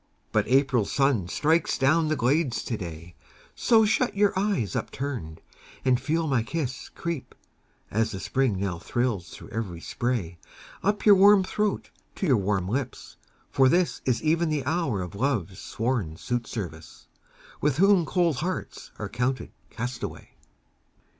But April's sun strikes down the glades to day; So shut your eyes upturned, and feel my kiss Creep, as the Spring now thrills through every spray, Up your warm throat to your warm lips: for this Is even the hour of Love's sworn suitservice, With whom cold hearts are counted castaway.